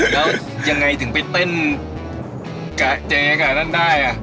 แล้วยังไงถึงไปเต้นกับเจ๊กะนั่นได้